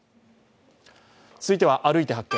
続いては「歩いて発見！